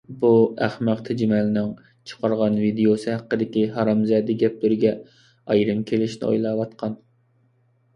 بۇ ئەخمەق تېجىمەلنىڭ چىقارغان ۋىدىيوسى ھەققىدىكى ھارامزەدە گەپلىرىگە ئايرىم كېلىشنى ئويلاۋاتقان.